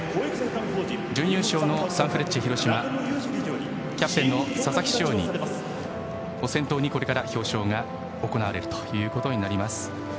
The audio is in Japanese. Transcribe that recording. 準優勝のサンフレッチェ広島キャプテンの佐々木翔を先頭にこれから表彰が行われることになります。